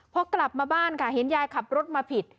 พอกลับมาบ้านค่ะเห็นยายขับรถมาผิด